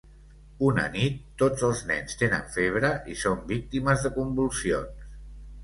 Una nit, tots els nens tenen febre i són víctimes de convulsions.